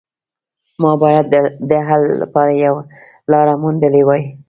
ما باید د حل لپاره یوه لاره موندلې وای